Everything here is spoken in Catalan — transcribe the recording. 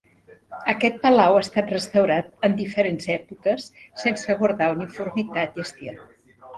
Aquest palau ha estat restaurat en diferents èpoques sense guardar uniformitat i estil.